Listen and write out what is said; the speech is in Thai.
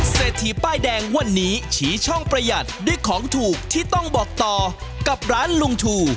เศรษฐีป้ายแดงวันนี้ชี้ช่องประหยัดด้วยของถูกที่ต้องบอกต่อกับร้านลุงชู